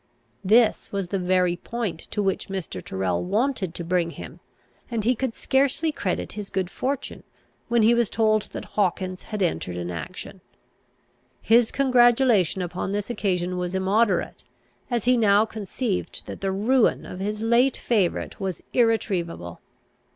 This was the very point to which Mr. Tyrrel wanted to bring him, and he could scarcely credit his good fortune, when he was told that Hawkins had entered an action. His congratulation upon this occasion was immoderate, as he now conceived that the ruin of his late favourite was irretrievable.